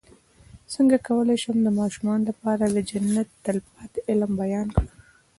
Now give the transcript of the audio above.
څنګه کولی شم د ماشومانو لپاره د جنت د تل پاتې علم بیان کړم